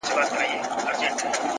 هره ورځ د نوې هیلې کړکۍ ده!.